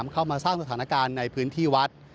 เข้ามาสร้างสถานการณ์ในพื้นที่วัด